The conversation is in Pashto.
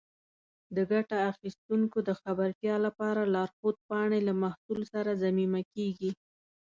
د ګټه اخیستونکو د خبرتیا لپاره لارښود پاڼې له محصول سره ضمیمه کېږي.